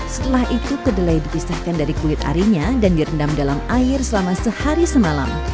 setelah itu kedelai dipisahkan dari kulit arinya dan direndam dalam air selama sehari semalam